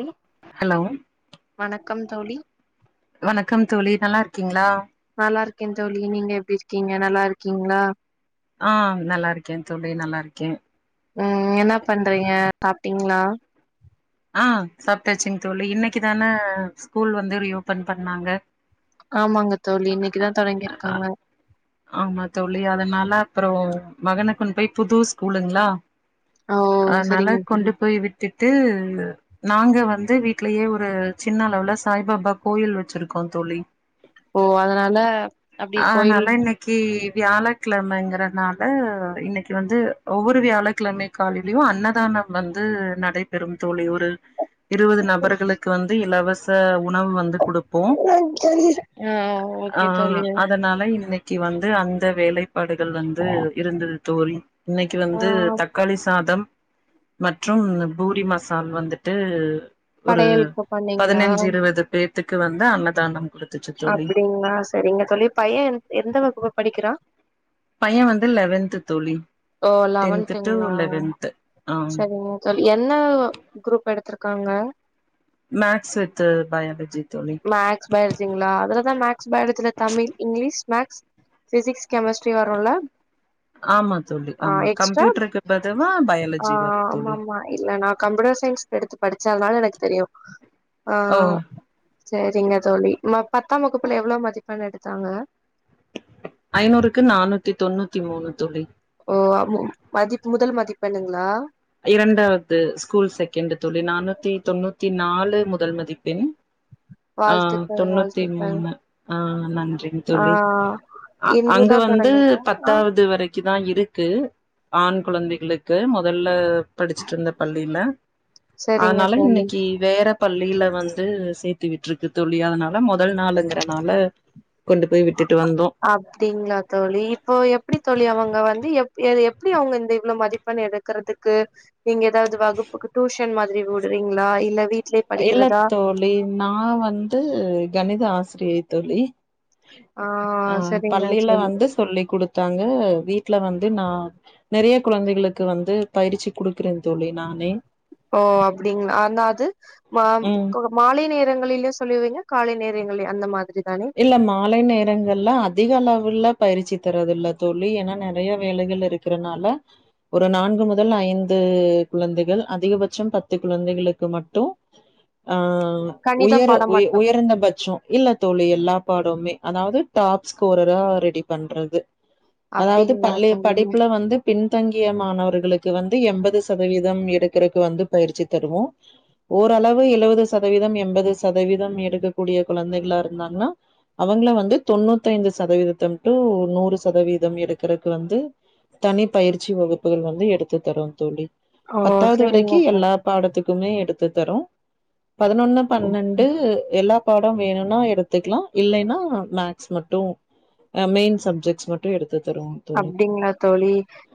என்ன ஹலோ வணக் கம் தோழி வணக்கம் தோழி நல்லா இருக்கீங்களா நல்லா இருக்கேன் தோழி நீங்க எப்டி இருக்கீங்க நல்லா இருக்கீங்களா ஆ நல்லா இருக்கேன் தோழி நல்லா இருக்கேன் ம் என்ன பண்றீங்க சாப்ட்டீங்களா ஆ சாப்பிட்டாச்சுங்க தோழி இன்னைக்கு தான ஸ்கூல் வந்து ரீ ஓப்பன் பண்ணாங்க ஆமாங்க தோழி இன்னைக்குதா தொடங்கிருக்காங்க ஆமா தோழி அதனால அப்புறம் மகன கொண்டு போய் புது ஸ்கூலுங்களா ஓ அதுனால சரிங்க தோழி கொண்டு போய் விட்டுட்டு நாங்க வந்து வீட்லயே ஒரு சின்ன அளவுல சாய்பாபா கோயில் வச்சிருக்கோம் தோழி ஓ அதனால அப்டி கோயில் கி வியாழக்கிழமங்கறனால இன்னைக்கு வந்து ஒவ்வொரு வியாழக்கிழமைக் காலையிலயும் அன்னதானம் வந்து நடைபெறும் தோழி ஒரு இருபது நபர்களுக்கு வந்து இலவச வச உணவு வந்து குடுப்போம் ஆ ஆ ஓகே தோழி அதனால இன்னைக் க்கி வந்து அந்த வேலை பாடுகள் வந்து இருந்தது தோழி இன்னைக்கு வந்து ஆ தக்காளி சாதம் மற்றும் பூரி மசா சால் வந்துட்டு ஒரு படையலுக்கு பண்ணீங்களா பதினஞ்சு இருவது பேர் த்துக்கு வந்து அன்னதானம் குடுத்து அப்டிங்களா சரிங்க தோழி பையன் எந் எந்த வகுப்பு படிக்கிறான் பையன் வந்து லெவன்த் தோழி ஓ டென்த்து டு லெவன்துங்களா லெவன்த்து ஆ சரிங்க தோழி என்ன குரூப் எடுத்துருக் காங்க மேக்ஸ் வித் பயாலஜி தோழி மேக்ஸ் பயாலஜிங்களா அதுலதா மேக்ஸ் பயாலஜில Tamil English maths physics chemistry வரும்ல ஆமா தோழி ஆமா எக்ஸ்ட்ரா கம்ப்யூட்டருக்கு பதுவா ஆ பயாலஜி வரு தோழி ஆமாமா ஆ இல்ல ந கம்யூட்டர் சயின்ஸ் எடுத்து படிச்சாலனால எனக்கு தெரியு ஓ ஆஹ் சரிங்க தோழி பத்தாம் வகுப்புல எவ்வளவு மதிப்பெண் எடுத்தாங்க ஐநூறுக்கு நானூத்தி தொண்ணூத்தி மூணு தோழி ஓ ம் மதிப்பு முதல் மதிப்பண்ணுங்களா இரண்டாவது ஸ்கூல் செகண்ட் தோழி நானூத்தி தொண்ணூத்தி நாலு முதல் மதிப்பண் ஆஹ் வாழ்த்துக்கள் தொண்ணூத்தி வாழ்த்துக்கள் மூணு ஆஹ் நன்றிங் ஆ தோழி அஹ் அங்க இன்றுதா வந்து தொடங்கிருக்கா ஆ பத்தாவது வரைக்குதா இருக்கு ஆண் குழந்தைகளுக் க்கு மொதல் இல்ல படிச்சுட்டு இருந்த பள்ளியில சரிங்க அதனால தோழி இன்னைக்கு வேற பள்ளியில வந்து சேர்த்து விட்டுருக்கு தோழி அதன ல முதல் நாள்ங்கறனால அப்டிங்களா தோழி இப்போ எப்டி தோழி அவங்க வந்து எப் எது எப் ப்படி அவங்க இந்த இவ்வளவு மதிப்பண் எடுக்கறதுக்கு நீங்க ஏதாவது வகுப்புக்கு டியூஷன் மாதிரி விடுறீங்களா இல்ல வீ இல்ல தோழி நான் வந்து கணித ஆசிரியை தோழி ஆ ஆஹ் சரிங்க பள்ளியில தோழி வந்து சொல்லி கொடுத்து ங்க வீட்டுல வந்து நா நெறைய குழந்தைகளுக்கு வந்து பயிற்சி கொடுக்குற ஓ அப்டிங்களா அந்தாது மா ம் மாலை நேரங்களிலு சொல்லுவீங்க காலை நேரங்களே அந்த மாதிரி தானே இல்ல மாலை நேரங்கள்ல அதிக அளவுல பயிற்சி தரதில்ல தோழி ஏன்னா நெறைய வேலைகள் இருக்கிறனால ஒரு நான்கு முதல் ஐந்து குழந்தைகள் அதிகபட்சம் பத்து குழந்தைகளுக்கு மட்டும் ஆஹ் கணிதம் உயர பாடம் உயர் மட்டும் உயர்ந்த பட்சம் இல்ல தோ எல்லா பாடவுமே அதாவது டாப் ஸ்கோரரா ரெடி பண்றது அதாவது அப்டிங்களா பள்ளி தோழி படிப்புல வந்து பின் தங்கிய மாணவர்களுக்கு வந்து எண்பது சதவீதம் எடுக்கிறதுக்கு வந்து பயிற்சி தருவோ ஓரளவு எழபது சதவீதம் எண்பது சதவீதம் எடுக்கக்கூடிய குழந்தைகளா இருந்தாங்கன்னா அவங்கள வந்து தொண்ணூத்தி ஐந்து சதவீதம் டு நூறு சதவீதம் எடுக்கறக்கு வந்து தனி பயிற்சி வகுப்புகள் வந்து எடுத்து தரு தோழி ஓ பத்தாவது சரிங்க வரைக்கி தோழி எல்லா பாடத்துக்குமே எடுத் பத்து தர்றோ பதுனொன்னு பன்னெண்டு எல் படொ வேணுனா எடுத்துக்லா இல்லேனா மேக்ஸ் மட்டும் அ மெயின் சப்ஜெக்ட்ஸ் மட்டும் எடுத் அப்டிங்களா தோழி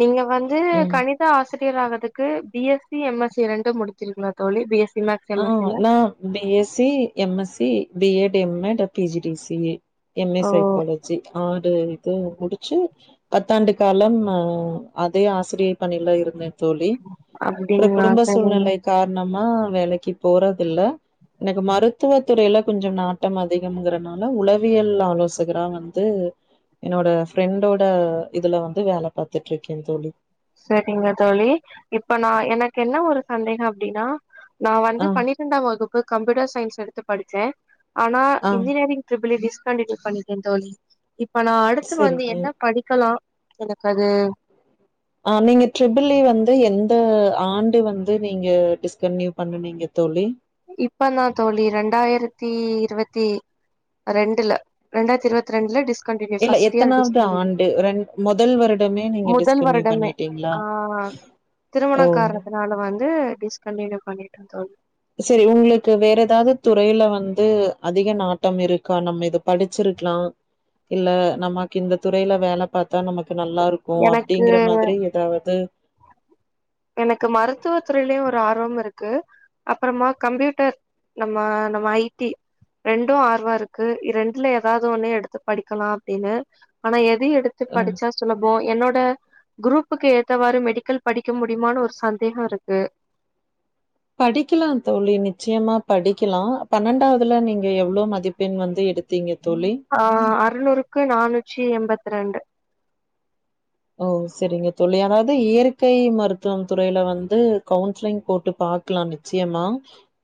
நீங்க வந்து ம் கணித ஆசிரியர் ஆகறதுக்கு B S C M S C இரண்டும் முடித்தீர்களா தோழி பிஎஸ்சி ஆஹ் நா B S C M S C B Ed M Ed ஆ P G D C A M A ஓ சைக்காலஜி ஆறு நீங்க முடிச்சு பத்தாண்டு காலம் ஆ அதே ஆசிரிய பணில இருந்தே தோழி அப்ற அப்டிங்களா குடும்ப சரிங்க சூழ்நிலை காரணமா வேலைக் கி போறதில்ல எனக்கு மருத்துவ துறைல கொஞ்சம் நாட்டம் அதிகங்கிறனால உளவியல் ஆலோசகரா வந்து என்னோட ஃப்ரெண்டோட இதுல வந்து வேல பாத்துட்ருக்கேன் தோழி சரிங்க தோழி இப்ப நா எனக்கென்ன ஒரு சந்தேக அப்டினா நா வந்து ஆ பனிரெண்டாம் வகுப்பு இப்ப கம்ப்யுட்டர் சயின்ஸ் எடுத்து படிச்சேன் அஆனா ஆ இன்ஜினியரிங் ட்ரிபிள்இ டிஸ் கண்டினியூ பண்ணிட்டேன் தோழி இப்ப நா அடுத்து வந்து சரிங்க என்ன படிக்கலாம் எனக் அது இப்ப நீங்க ட்ரிபிள் இ வந்து எந்த ஆண்டு வந்து நீங்க டிஸ்கண்ட்னியூ பண்ணுனீங்க தோழி இப்பதா தோழி ரெண்டாயிரத்தி இருவத்தி ரெண்டுல ரெண்டாயிரத்தி இருவத்தி ரெண்டுல டிஷ் கண்டினியூ இல்ல ஃபஸ்ட் இயர் எத்தனாவது டிஷ்கண்டினியூ ஆண்டு ரெண் மொதல் வருடமே நீங்க முதல் டிஸ்கன்டினியூ வருடமே பண்ணிட்டீங்களா ஆ திருமண ஓ காரணத்துனால வந்து டிஸ்கண்டினியூ பண்ணிட்ட தோழி செரி உங்குளுக்கு வேற எதாவது துறையில வந்து அதிக நாட்டம் இருக்கா நம்ம இத படிச்சிருக்கலாம் இல்ல நமக்கு இந்த துறையில வேல பாத் தா நமக்கு நல்லாருக்கும் எனக்கு அப்டிங்கிற மாதிரி எதாவது எனக்கு மருத்துவ துறையிலயும் ஒரு ஆர்வமிருக்கு அப்பறமா கம்ப்யூட்டர் நம்ம நம்ம ஐடி ரெண்டும் ஆர்வோ இருக்கு இது ரெண்டுல ஏதாது ஒண்ணு எடுத்து படிக்கலாம் அப்டின்னு ஆனா எப் எது எடுத்து ம் படிச்சா சுலபோம் என்னோட ரோட் க்ரூப்புக்கு ஏத்தவாறு மெடிக்கல் படிக் க்க முடியுமானு ஒரு சந்தேக இருக்கு படிக்கலாம் தோழி நிச்சியமா படிக்கலாம் பன்னெண்டாவதுல நீங்க எவ்ளோ மதிப்பெண் வந்து எடுத் ஆ அறநூறுக்கு நானூற்றி எம்பத் ரெண்டு ஓ செரிங்க தோழி அதாது இயற்கை மருத்துவம் துறையில வந்து கவுன்ஸ்லிங் போட்டு பாக்கலாம் நிச்சியமா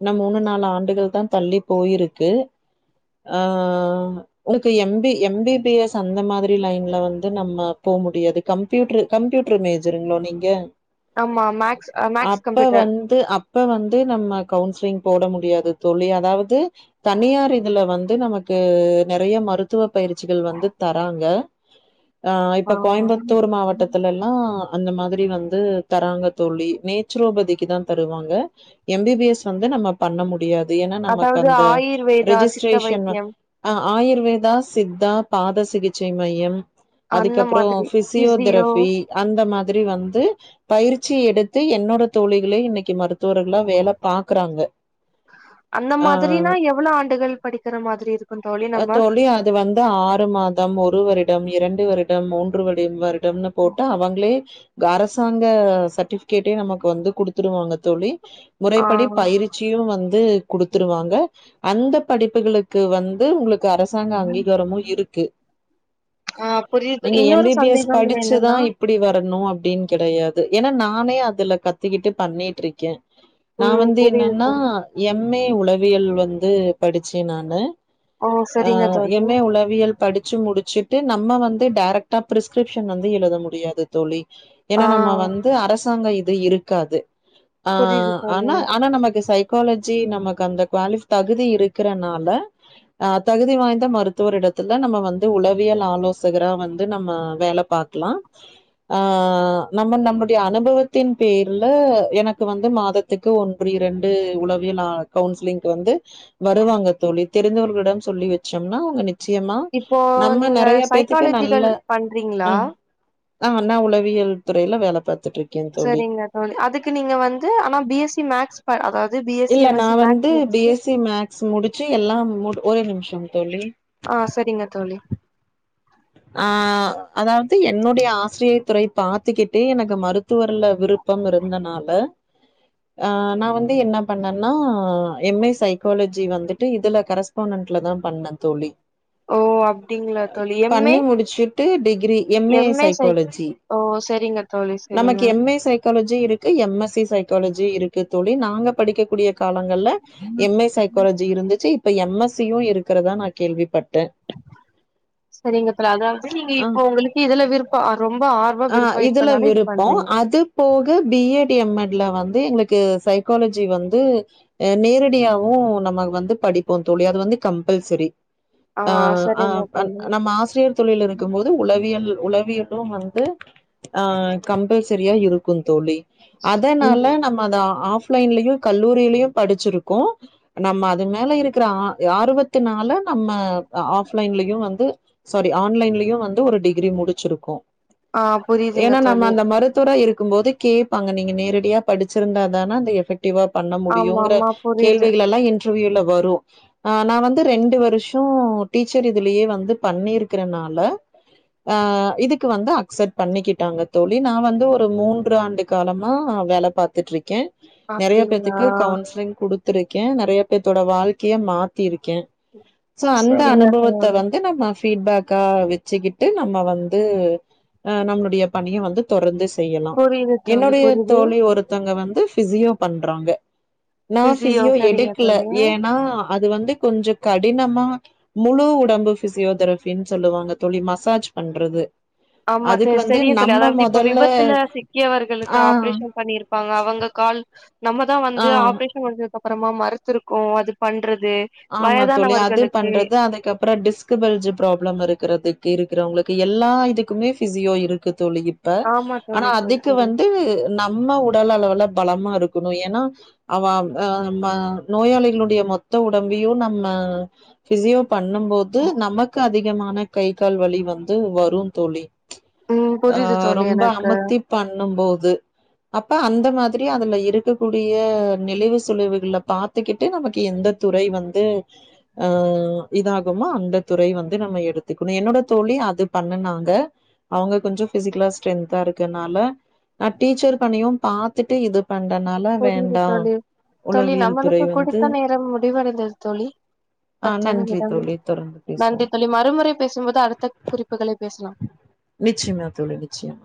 என்ன மூணு நாலு ஆண்டுகள் தா தள்ளி போயிருக்கு ஆ உனக்கு எம்பி எம்பிபிஎஸ் அந்த மாதிரி லைன்ல வந்து நம்ம போ முடியாது கம்ப்யூட்ரு கம்ப்யூட்ரு மேஜருங்களோ நீங்க ஆமா மேக்ஸ் மேக்ஸ் அப்ப கம்ப்யூட்டர் வந்து அப்ப வந்து நம்ம கவுன்சி சுலிங் போட முடியாது தோழி அதாவது தனியார் இதுல வந்து நமக்கு நெறைய மருத்துவப் பயிற்சிகள் வந்து தராங்க ஆ இப்ப கோயம்புத் மாவட்டத்துலலா அந்த மாதிரி வந்து தராங்க தோழி நேச்சுரோபதிக்கு தா தருவாங்க எம்பிபிஎஸ் வந்து நம்ம பண்ண முடியாது ஏனா நமக்கு அதாவது அந்த ஆயுர்வேதா சித்த ரிஜிஸ்ட்ரேஷன் வைத்தியம் ஆ ஆயுர்வேதா சித்தா பாத சிகிச்சை மையம் அந்ந மாதிரி பிசியோ பிஸிசியோதெரஃபி அந்த மாதிரி வந்து பயிற்சி எடுத்து என்னோட தோழிகளே இன்னிக்கு மருத்துவர்களா வேல பாக்குறாங்க அந்த ஆ மாதிரினா எவ்ளோ ஆண்டுகள் படிக்கிற மாதிரி இருக் தோழி அது வந்து ஆறு மாதம் ஒருவரு டம் இரண்டு வருடம் மூன்று வடிவம்லா இருக்கு போட்டா அவங்களே து அரசாங்க சர்ட்டிபிஃகேட்டே நமக்கு வந்து குடுத்துருவாங்க தோழி முறைப்படி ஆ பயிற்சியு வந் ந்து குடுத்துருவாங்க அந்த படிப்புகளுக்கு வந் உங்ளுக் கு அரசாங்க அங்கீகாரமு இருக்கு ஆ புரியுது நீங்க எம் இன்னொரு பி பி எஸ் சந்தேகம் படிச்சுதா என்னன்னா இப்டி வரணு அப் அப்டின் கெடையாது ஏனா நானே அதுல கத்துக்கிட்டு பண்ணிட்ருக்கே நா ம் வந்து புரியுது என்னனா தோழி எம் லே உளவியல் வந்து படிச்சே நானு ஓ ஆ சரிங்க தோழி எம் ஏ உளவியல் படிச்சு முடிச்சு நம்ப வந்து டேரெக்டா பிரிஸ்கிரிப்ஷன் வந்து எலுத முடியாது தோழி ஆ ஏனா நம்ப வந்து அரஸ் ரசாங்க இது இருக்காது ஆ புரியுது தோழி ஆன்னா ஆனா நமக்கு சை காலஜி நமக்கு அந்த குவாலிஃப் தகுதி இருக்கறனால அ தகுதி வாய்ந்த மருத்துவரிடத்துல நம்ப வந்து உளவியல் ஆலோசகரா வந்து நம்ப வேல பாக்லா அ நம்ப நம்புடைய அனுபவத்தின் பேர்ல எனக்கு வந்து மாதத்துக்கு ஒன்று இரண்டு உளவியல்லா கவுன்சிலிங்க்கு வந்து வருவாங்க தோழி தெரிந்தவர்களிடம் சொல்லி வச்சோம்னா அவுங்க நிச் இப்போ நீங்க சைக்காலஜிகள் பண்றீங்ளா நாங்கென்ணா உளவியல் துறைல வேல பாத் சரிங்க தோழி அதுக்கு நீங்க வந்து ஆனா பி எஸ்சி மேக்ஸ் அதாது பி எஸ்சி இல்ல எம் நா எஸ்சி மேக்ஸ் முடிச்சிட்டு எல்லா மூடு ஒரே நிமிஷோ தோழி ஆஹ் சரிங்க தோழி ஆஹ் அதாவது என்னுடைய ஆசிரியத்துறை பாத்துக்கிட்டே எனக்கு மருத்துவர்ல விருப்பம் இருந்தனால ஆஹ் நா வந்து என்ன பண்ணேன்னா எம் ஏ சைக்காலஜி வந்துட்டு இதுல கரஸ்பாண்டன்ட்ல தா பண்ணே தோழி ஓ அப்டிங்ளா தோழி எம் ஏ பண்ணி முடிச்சுட்டு டிகிரி எம் ஏ சைக்காலஜி ஓ சரிங்க தோழி சரிங்க நமக்கு எம் ஏ சைக் காலஜி இருக்கு எம் எஸ் சி சைக்காலஜி இருக்கு தோழி நாங்க படிக்கக்கூடிய காலங்கள்ல எம் ஏ சைகோலஜி இருந்துச்சு இப்ப எம் எஸ் சியும் இருக்கிறதா நா கேள்விப்பட்டே சரிங்க பல அதாவது நீங்க இப்போ உங்களுக்கு இதுல விருப்ப ரொம்ப ஆர்வ அஹ் விருப்ப இதுல இருக்கனால இது விருப்பம் பண்றீங்க அது போக பி எட் எம் எட்ல வந்து எங் சைக்காலஜி வந்து அ நேரடியாவு நமக்கு வந்து படிப்போ தோழி அது வந்து கம்பல்சரி ஆ ஆஹ் சரிங்க அஹ் தோழி நம்ம ஆசிரியர் தொழில்ல இருக்கும் போது உளவியல் உளவியல் [unintelligible] டு ஆஹ் கம்பல்சரியா இருக்கு தோழி அதனால ம் நம்ம அத ஆப் ஆப்லைன்லயு கல்லூரிலயு படிச்சிருக்கோ நம்ம அது மேல இருக்கிற ஆற்வத்து நாள நம்ம ஆஃப்லைன்லயு வந்து சாரி ஆன்லைன்லயு வந்து ஒரு டிகிரி முடிச்சிருக்கோ ஆ புரியுதுங்க ஏன்னா நம்ம தோழி அந்த மருத்துவரா இருக் க்கும்போது கேட்பாங்க நீங்க நேரடியா படிச்சிருந்தா தானே அந்த எபெக்ட் வ பண்ண ஆமா முடியங்கிற ஆமா புரியுது கேள்விகலல்லாம் கொரியர்ல வரு நா வந்து ரெண்டு வரூசோ டீச்சர் இதுலயே வந்து பண்ணிருக்கறனால ஆஹ் இதுக் வந்து அக்செப்ட் பண்ணிக்கிட்டாங்க தோழி நா வந்து ஒரு மூன்று ஆண்டு காலமா வேலை பாத்துட்ருக்கே நெறைய அப்டிங்களா பேத்துக்கு கவுன்சலிங் குடு த்துரு இருக்கே நெறைய பேத்தோட வாழ்க்கைய மாத்தி இருக் சோ அந்த சரிங்க அனுபவத்த தோழி வந்து நம்ம ஃபீட்பேக்காக வச்சுக்கிட்டு நம்ம வந்து அஹ் நம்மளுடைய பணிய வந்து தொடர்ந்து செய்யலா புரியுது தோழி என்னுடைய புரியுது தோழி ஒருத்தவங்க வந்து ஃபிஸியோ பண்றாங்க நா பிசியோ சரிங்க எடுக்கல தோழி ஏன்னா அது வந்து கொஞ்ச கடினமா முழு உடம்பு பிசியோதெரபினு சொல்லுவாங்க தொழி மசாஜ் பண்றது ஆமா அதுக்கு வந்து தெரியு தோழி நம்ம அதாவது இப்ப மொதல்ல விபத்துல சிக்கியவர்களுக்கு ஆ ஆப்ரேஷன் பண்ணிருப்பாங்க அவங்க கால் நம்ம தா ஆ வந்து ஆப்ரேஷண் பான்றது அப்புறமா மறுத்துருக்கு அது பண்றது ஆமா தோழி அது வயதானவர்களுக்கு பண்றது அதுக்கப்ப டிஸ்கபல்ஜ் ப்ராப்ளம் இருக்கிறதுக்கு இருக்கிறவங்களுக்கு எல்லா இதுக்குமே பிசியோ இருக்கு தோழி இப்ப ஆமா ஆனா தோழி தோழி அதுக்கு தெரியும் வந்து நா நம்ம உடல் அளவுல பலமா இருக்கணு ஏன்னா அவ ஆ ம நோயாளிகளுடைய மொத்த உட உடம்பையும் நம்ம பிசியோ பண்ணும் போது நமக்கு அதிகமான கை கால் வலி வந்து வரும் தோழி ம் ஆ புரியுது தோழி ரொம்ப எனக்கு அமத்தி பண்ணும்போது இது அப்ப அந்த மாதிரி அதுல இருக்கக்கூடிய நெளிவுசுளிவுகள பாத்துக்கிட்டு நமக்கு எந்த துறை வந்து ஆ இதாகுமாோ அந்தத் துறை வந்து நம்ம எடுத்துக்கணும் என்னோட தோழி அது பண்ணுனாங்க அவுங்க கொஞ்ச ஃபிசிக்கலா ஸ்ட்ரென்த்தா இருக்கனால நா டீச்சர் பணியும் பாத்துட்டு இது பண்றனால புரியுது வேண்டா தோழி தோழி உளவியல் துறை நம்மளுக்கு வந்து குடுத்த நேரம் முடிவடைந்தது தோழி ஆ பத்து நன்றி நிமிடம் தோழி தொடர்ந்து நன்றி பேசுவோம் தோழி மறுமுறை பேசும்போது அடுத்த குறிப்புகளை பேசலா நிச்சயமா தோழி நிச்சயம்